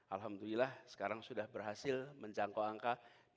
alhamdulillah sekarang sudah berhasil menjangkau angka